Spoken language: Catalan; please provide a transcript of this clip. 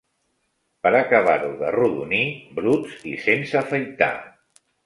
Per acabar-ho d'arrodonir, bruts i sense afaitar